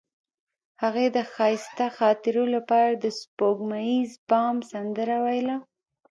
هغې د ښایسته خاطرو لپاره د سپوږمیز بام سندره ویله.